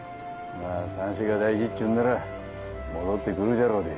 まぁさんしが大事っちゅうんなら戻って来るじゃろうで。